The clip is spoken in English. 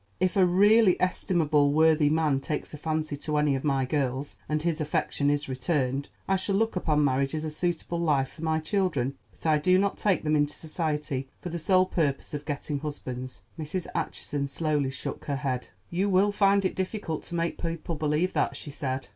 If a really estimable, worthy man takes a fancy to any of my girls, and his affection is returned, I shall look upon marriage as a suitable life for my children; but I do not take them into society for the sole purpose of getting husbands." Mrs. Acheson slowly shook her head. "You will find it difficult to make people believe that," she said.